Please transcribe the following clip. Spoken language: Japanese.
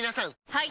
はい！